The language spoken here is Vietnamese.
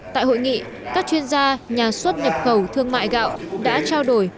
tại hội nghị các chuyên gia nhà xuất nhập khẩu thương mại gạo đã trao đổi